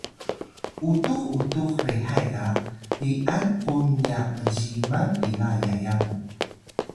utux utux rehay ga bi’an kung nya mziman pila yaya mu